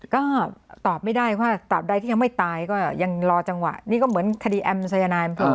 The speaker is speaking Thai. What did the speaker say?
ก็ตอบไม่ได้ว่าตอบใดที่ยังไม่ตายก็ยังรอจังหวะนี่ก็เหมือนคดีแอมสายนายอำเภอ